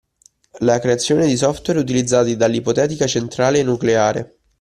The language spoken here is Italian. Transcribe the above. La creazione di software utilizzati dall'ipotetica centrale nucleare.